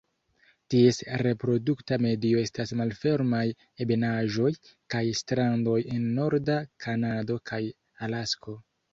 Ties reprodukta medio estas malfermaj ebenaĵoj kaj strandoj en norda Kanado kaj Alasko.